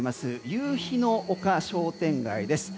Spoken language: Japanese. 夕日の丘商店街です。